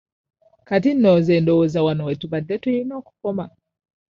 Kati nno nze ndowooza nti wano we tubadde tulina okukoma.